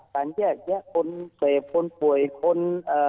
การแยกแก๊ะคนเสพคนผ่วยคน